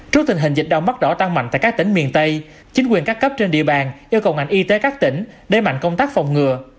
trước tình hình dịch đau mắt đỏ tăng mạnh tại các tỉnh miền tây chính quyền các cấp trên địa bàn yêu cầu ngành y tế các tỉnh đẩy mạnh công tác phòng ngừa